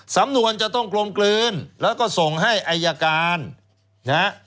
สำนวนจะต้องกลมกลืนแล้วก็ส่งให้อายการนะฮะ